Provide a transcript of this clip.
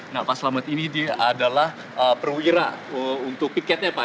nah pak selamat ini dia adalah perwira untuk piketnya pak